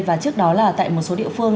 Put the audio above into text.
và trước đó là tại một số địa phương